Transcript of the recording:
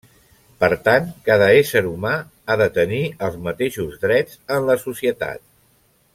Per tant, cada ésser humà ha de tenir els mateixos drets en la societat.